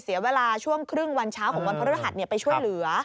เสียเวลาช่วงครึ่งวันเช้าของวันพฤหัสไปช่วยเหลือ